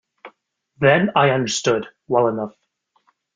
Then I understood well enough.